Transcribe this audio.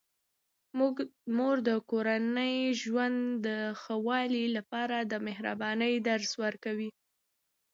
مور د کورني ژوند د ښه والي لپاره د مهربانۍ درس ورکوي.